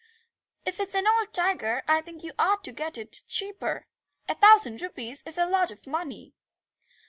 "If it's an old tiger I think you ought to get it cheaper. A thousand rupees is a lot of money."